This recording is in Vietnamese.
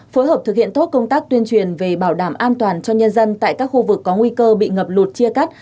phối hợp thực hiện tốt công tác tuyên truyền về bảo đảm an toàn cho nhân dân tại các khu vực có nguy cơ bị ngập lụt chia cắt